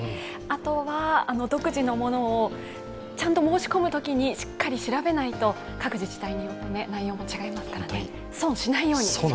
あとは独自のものをちゃんと申し込むときにしっかり調べないと、各自治体によって内容も違いますからね、損しないように。